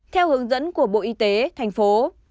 theo hướng dẫn của bộ y tế thành phố